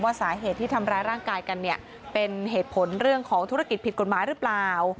สาเหตุที่ทำร้ายร่างกายกันเนี่ยเป็นเหตุผลเรื่องของธุรกิจผิดกฎหมายหรือเปล่า